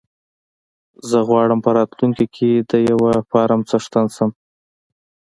زه غواړم په راتلونکي کې د يو فارم څښتن شم.